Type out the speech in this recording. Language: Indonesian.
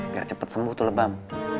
biar cepat sembuh tuh lebam